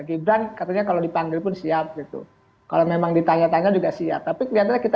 gibran katanya kalau dipanggil pun siap gitu kalau memang ditanya tanya juga siap tapi kelihatannya kita